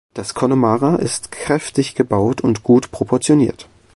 Das Connemara ist kräftig gebaut und gut proportioniert.